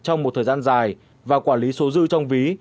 trong một thời gian dài và quản lý số dư trong ví